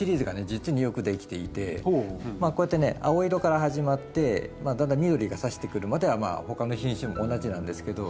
実によくできていてこうやってね青色から始まってだんだん緑がさしてくるまでは他の品種も同じなんですけど。